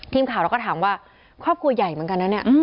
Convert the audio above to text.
ทีมข่าวเราก็ถามว่าครอบครัวใหญ่เหมือนกันนะเนี่ย